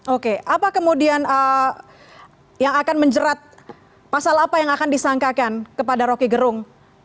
oke apa kemudian yang akan menjerat pasal apa yang akan disangkakan kepada roky gerung